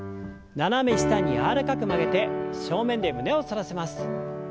斜め下に柔らかく曲げて正面で胸を反らせます。